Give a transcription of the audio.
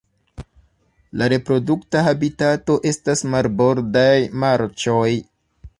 La reprodukta habitato estas marbordaj marĉoj.